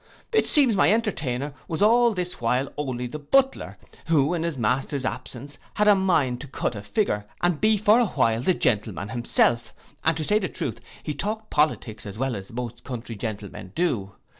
It seems my entertainer was all this while only the butler, who, in his master's absence, had a mind to cut a figure, and be for a while the gentleman himself; and, to say the truth, he talked politics as well as most country gentlemen do.